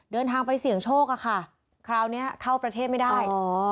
เดินทางไปเสี่ยงโชคอะค่ะคราวนี้เข้าประเทศไม่ได้